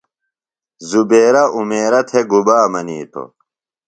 زبیرہ عمیرہ تھےۡ گُبا منیتوۡ؟